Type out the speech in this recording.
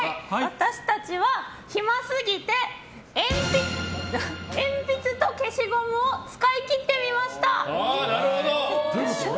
私たちは、暇すぎて鉛筆と消しゴムを使い切ってみました！